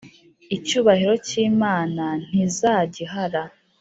icyubahiro cyimana ntizagihara